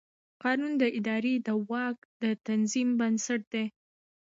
قانون د ادارې د واک د تنظیم بنسټ دی.